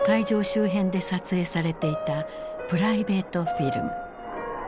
周辺で撮影されていたプライベートフィルム。